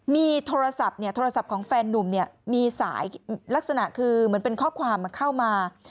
มีโทรศัพท์ของแฟนนุ่มมีสายลักษณะคือเหมือนเป็นข้อความมาเข้ามา